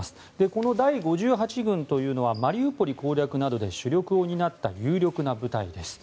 この第５８軍というのはマリウポリ攻略などで主力を担った有力な部隊です。